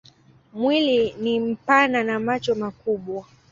Mwili ni mpana na macho makubwa.